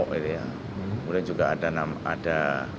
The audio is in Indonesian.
kemudian juga ada